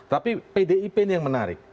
tapi pdip ini yang menarik